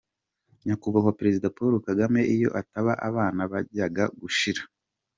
Nyakubahwa Perezida Paul Kagame iyo atahaba abana bajyaga gushira